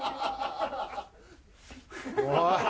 おい！